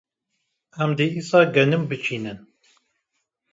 Em dê îsal genim biçînin.